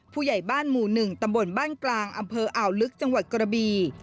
ผู้ใหญ่บ้านหมู่๑ตำบลบ้านกลางอำเภออ่าวลึกจังหวัดกระบี